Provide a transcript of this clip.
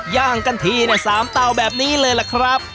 ย่างกันทีเนี่ย๓เตาแบบนี้เลยล่ะครับ